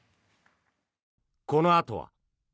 このあとは。